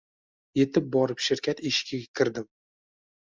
Yetib borib shirkat eshigiga kirdim.